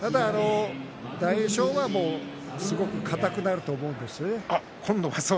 大栄翔はすごく硬くなると思うんですね